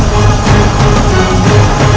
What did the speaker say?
merubah ke shawanya